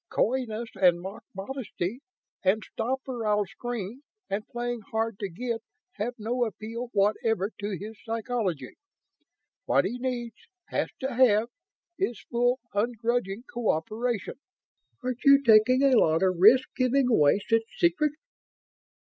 Coyness and mock modesty and stop or I'll scream and playing hard to get have no appeal whatever to his psychology. What he needs has to have is full, ungrudging cooperation." "Aren't you taking a lot of risk in giving away such secrets?"